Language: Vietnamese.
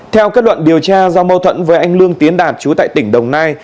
theo kết luận điều tra do mâu thuẫn với anh lương tiến đạt chú tại tỉnh đồng nai